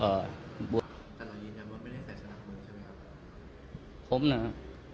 บทแต่เรายืนยันว่าไม่ได้ใส่สนามมวยใช่ไหมครับผมนะฮะ